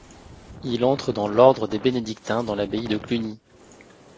Il entre dans l'ordre des bénédictins dans l'abbaye de Cluny.